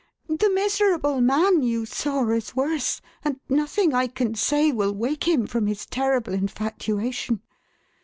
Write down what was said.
"The miserable man you saw, is worse, and nothing I can say will wake him from his terrible infatuation.